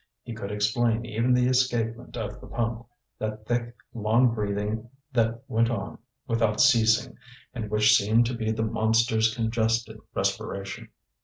He could explain even the escapement of the pump, that thick, long breathing that went on without ceasing, and which seemed to be the monster's congested respiration.